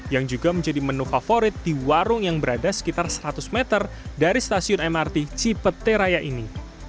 yang juga menjadi menu favorit di warung yang berada sekitar seratus meter dari stasiun mrt cipeteraya ini